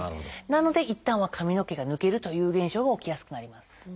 なのでいったんは髪の毛が抜けるという現象が起きやすくなります。